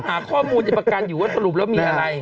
หาข้อมูลจะประกันอยู่ว่าสรุปแล้วมีอะไร